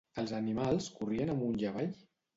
Els animals corrien amunt i avall?